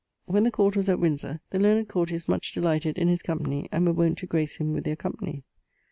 When the Court was at Windsor, the learned courtiers much delighted his company, and were wont to grace him with their company.